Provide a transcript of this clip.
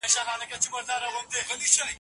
ډیپلوماټیک منځګړیتوب باید د عدالت لپاره وي.